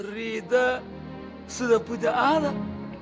rida sudah punya anak